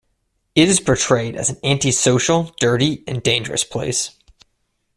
It is portrayed as an anti-social, dirty and dangerous place.